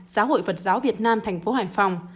giáo hội phật giáo việt nam thành phố hải phòng